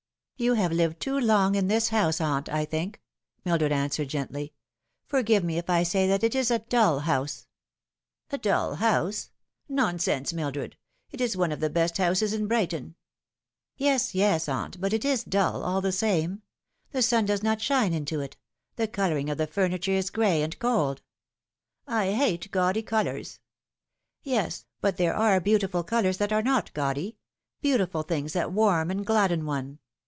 "You have lived too long in this house, aunt, I think," Mildred answered gently. " Forgive me if I say that it is a dull house." 318 The Fatal Three. " A dull house ? Nonsense, Mildred ! It is one of the best houses in Brighton." " Yes, yes, aunt, but it is dull, all the same. The sun does not shine into it ; the colouring of the furniture is gray and cold "" I hate gaudy colours." " Yes, but there are beautiful colours that are not gaudy beautiful things that warm and gladden one.